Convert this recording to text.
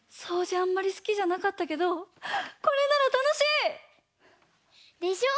あんまりすきじゃなかったけどこれならたのしい！でしょう？